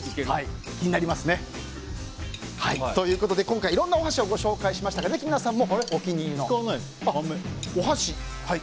気になりますね。ということで今回いろんなお箸をご紹介しましたがぜひ皆さんもお気に入りのを。